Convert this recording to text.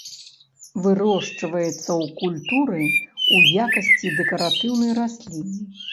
Вырошчваецца ў культуры ў якасці дэкаратыўнай расліны.